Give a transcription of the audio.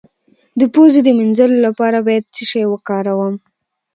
د پوزې د مینځلو لپاره باید څه شی وکاروم؟